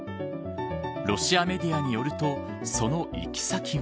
ロシアメディアによるとその行き先は。